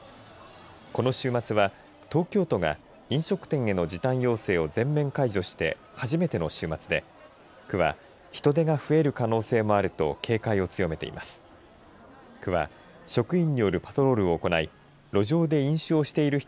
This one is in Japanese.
この週末は東京都が飲食店への時短要請を全面解除して初めての週末で区は人出が増える可能性もあると警戒を強めています。